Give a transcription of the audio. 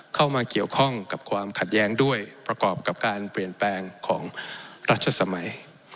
เข้ามาเกี่ยวข้องกับความขัดแย้งด้วยประกอบกับการเปลี่ยนแปลงของรัชสมัย